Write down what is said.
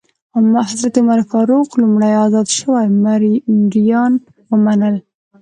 حضرت عمر فاروق لومړی ازاد شوي مریان ومنل.